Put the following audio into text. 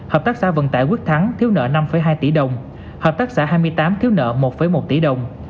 hợp tác xã vận tải quyết thắng thiếu nợ năm hai tỷ đồng hợp tác xã hai mươi tám thiếu nợ một một tỷ đồng